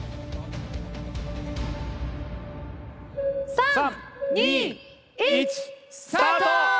３・２・１スタート！